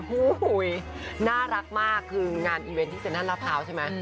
หู้ยน่ารักมากคืองานอีเวนต์ที่เซ็นทร์ธรรพาวใช่ไหม